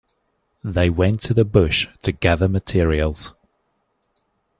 They went to the bush to gather materials.